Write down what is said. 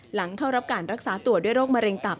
หลังเข้ารับการรักษาตัวด้วยโรคมะเร็งตับ